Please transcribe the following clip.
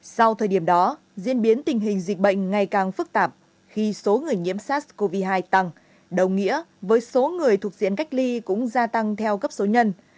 sau thời điểm đó diễn biến tình hình dịch bệnh ngày càng phức tạp khi số người nhiễm sars cov hai tăng đồng nghĩa với số người thuộc diện cách ly cũng gia tăng theo cấp số nhân